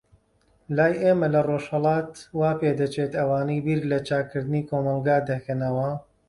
لای ئێمە لە ڕۆژهەلات، وا پێدەچێت ئەوانەی بیر لە چاکردنی کۆمەلگا دەکەنەوە.